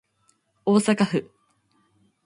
大阪府